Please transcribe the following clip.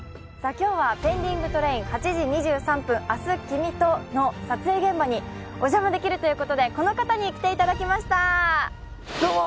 今日は「ＰｅｎｄｉｎｇＴｒａｉｎ−８時２３分、明日君と」の撮影現場にお邪魔できるということでこの方に来ていただきましたーどうも！